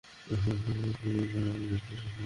Lieutenant Vikram Batra report করছি, sir.